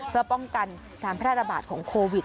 เพื่อป้องกันการพยาบาทของโควิด